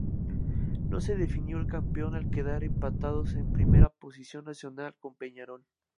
No se definió el campeón al quedar empatados en primera posición Nacional con Peñarol.